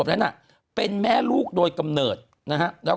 คุณหนุ่มกัญชัยได้เล่าใหญ่ใจความไปสักส่วนใหญ่แล้ว